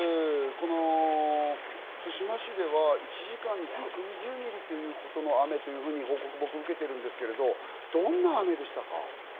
対馬市では１時間に１２０ミリというほどの雨という報告を受けているんですけれど、どんな雨でしたか？